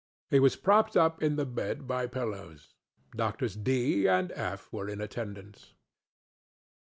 He was propped up in the bed by pillows. Doctors DŌĆöŌĆö and FŌĆöŌĆö were in attendance.